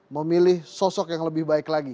memilih sosok yang lebih baik lagi